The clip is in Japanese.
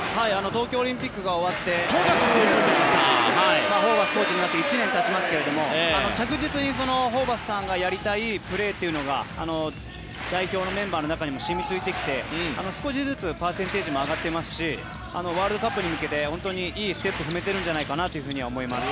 東京オリンピックが終わってホーバスコーチになって１年がたちますが着実にホーバスさんがやりたいプレーというのが代表のメンバーの中にも染みついてきて少しずつパーセンテージも上がっていますしワールドカップに向けて本当にいいステップを踏めているんじゃないかなと思います。